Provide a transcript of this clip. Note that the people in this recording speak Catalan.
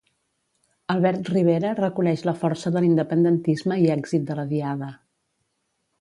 Albert Rivera reconeix la força de l'independentisme i èxit de la Diada